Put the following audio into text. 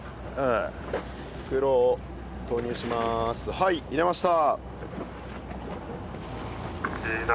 はい入れました。